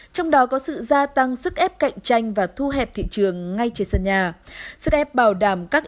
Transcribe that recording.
trong đó có sự gia tăng sức ép cạnh tranh và thu hẹp thị trường ngay trên sân nhà sức ép bảo đảm các